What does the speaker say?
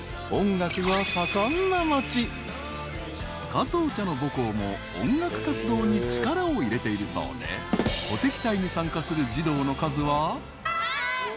［加藤茶の母校も音楽活動に力を入れているそうで鼓笛隊に参加する児童の数は］